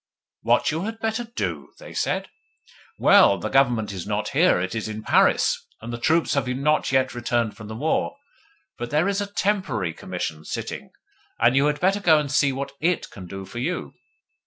'What you had better do?' they said. 'Well the Government is not here it is in Paris, and the troops have not yet returned from the war; but there is a TEMPORARY Commission sitting, and you had better go and see what IT can do for you.